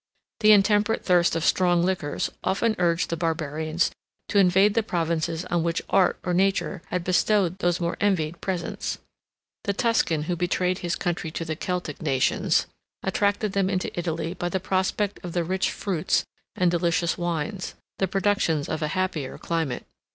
33 The intemperate thirst of strong liquors often urged the barbarians to invade the provinces on which art or nature had bestowed those much envied presents. The Tuscan who betrayed his country to the Celtic nations, attracted them into Italy by the prospect of the rich fruits and delicious wines, the productions of a happier climate.